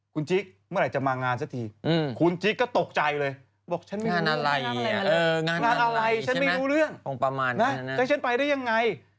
คุณจิ๊กเมื่อไหร่จะมางานสักที